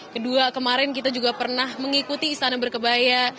kedua kemarin kita juga pernah mengikuti istana berkebaya